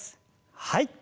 はい。